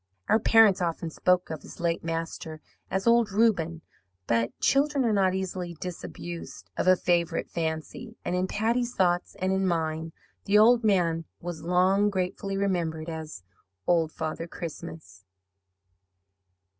"Our parents often spoke of his late master as 'old Reuben,' but children are not easily disabused of a favourite fancy, and in Patty's thoughts and in mine the old man was long gratefully remembered as Old Father Christmas."